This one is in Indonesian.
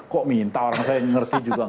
kok minta orang saya ngerti juga